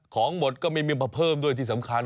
ของหมดก็ไม่มีมาเพิ่มด้วยที่สำคัญ